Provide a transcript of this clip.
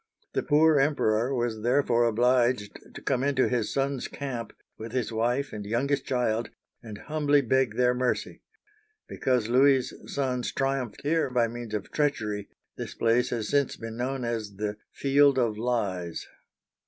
The poor Emperor was therefore obliged to come into his sons* camp, with his wife and youngest child, and humbly beg their mercy. Because Louis's sons triumphed here by means of treachery, this place has since been known as the " Field of Lies."